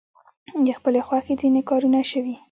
د خپلې خوښې ځینې کارونه شوي.